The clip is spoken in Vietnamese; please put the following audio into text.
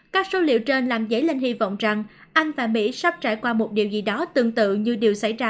các số liệu trên làm dấy lên hy vọng rằng anh và mỹ sắp trải qua một điều gì đó tương tự như điều xảy ra